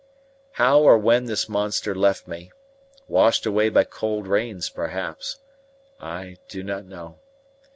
How or when this monster left me washed away by cold rains perhaps I do not know.